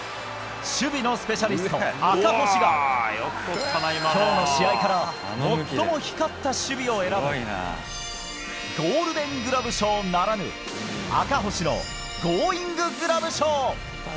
守備のスペシャリスト、赤星が、きょうの試合から、最も光った守備を選ぶ、ゴールデングラブ賞ならぬ、赤星のゴーインググラブ賞。